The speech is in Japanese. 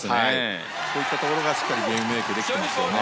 そういったところがしっかりゲームメイクできてますよね。